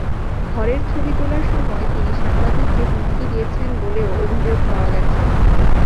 ঘরের ছবি তোলার সময় তিনি সাংবাদিককে হুমকি দিয়েছেন বলেও অভিযোগ পাওয়া গেছে।